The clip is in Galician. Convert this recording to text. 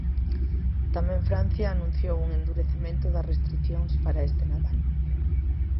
Tamén Francia anunciou un endurecemento das restricións para este Nadal.